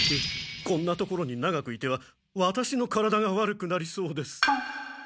こんなところに長くいてはワタシの体が悪くなりそうです。